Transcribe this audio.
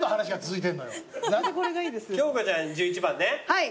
はい。